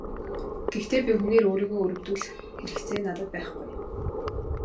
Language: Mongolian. Гэхдээ би хүнээр өөрийгөө өрөвдүүлэх хэрэгцээ надад байхгүй.